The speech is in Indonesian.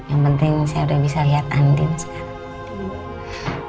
yang penting saya udah bisa lihat andin sekarang